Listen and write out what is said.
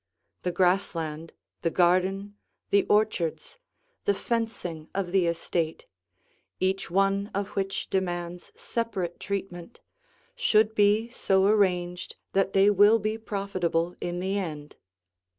The grass land, the garden, the orchards, the fencing of the estate, each one of which demands separate treatment, should be so arranged that they will be profitable in the end.